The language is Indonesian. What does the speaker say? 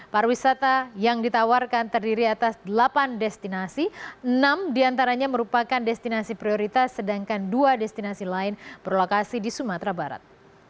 pariwisata yang ditawarkan terdiri atas delapan destinasi enam diantaranya merupakan destinasi prioritas sedangkan dua destinasi lain berlokasi di sumatera barat